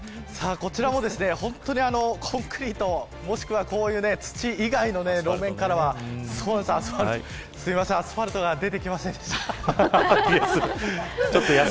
こちらも本当にコンクリートもしくはこういう土以外の路面からはアスファルトが出てきませんでした。